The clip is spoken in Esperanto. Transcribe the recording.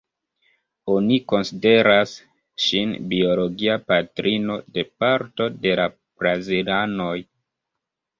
Oni konsideras ŝin biologia patrino de parto de la brazilanoj.